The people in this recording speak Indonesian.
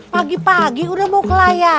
pagi pagi udah bawa ke laya